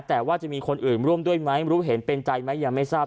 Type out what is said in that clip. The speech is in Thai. แต่ว่าจะมีคนอื่นร่วมด้วยไหมรู้เห็นเป็นใจไหมยังไม่ทราบ